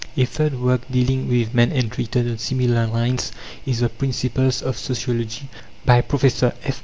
A third work dealing with man and written on similar lines is The Principles of Sociology, by Prof. F.